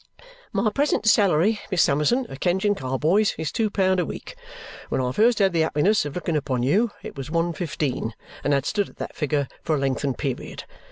My present salary, Miss Summerson, at Kenge and Carboy's, is two pound a week. When I first had the happiness of looking upon you, it was one fifteen, and had stood at that figure for a lengthened period.